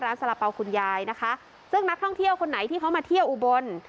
สาระเป๋าคุณยายนะคะซึ่งนักท่องเที่ยวคนไหนที่เขามาเที่ยวอุบล